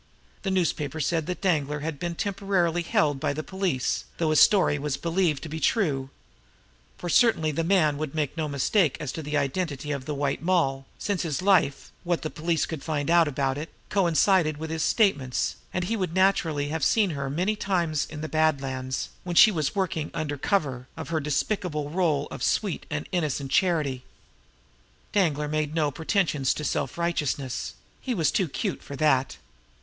The newspapers said that Danglar had been temporarily held by the police, though his story was believed to be true, for certainly the man would make no mistake as to the identity of the White Moll, since his life, what the police could find out about it, coincided with his own statements, and he would naturally therefore have seen her many times in the Bad Lands when she was working there under cover of her despicable role of sweet and innocent charity. Danglar had made no pretensions to self righteousness he was too cute for that.